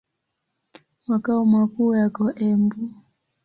Makao makuu yako Embu.